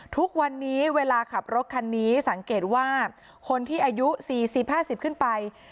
ทุกวันนี้เวลาขับรถคันนี้สังเกตว่าคนที่อายุ๔๐๕๐ขึ้นไป